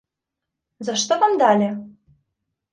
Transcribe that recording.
За што вам далі?